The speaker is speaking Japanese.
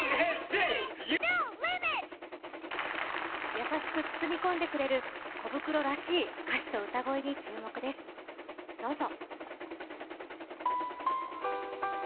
優しく包み込んでくれるコブクロらしい歌詞と歌声に注目です、どうぞ。